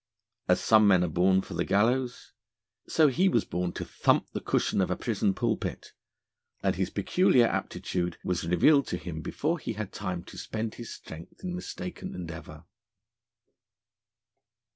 As some men are born for the gallows, so he was born to thump the cushion of a prison pulpit; and his peculiar aptitude was revealed to him before he had time to spend his strength in mistaken endeavour.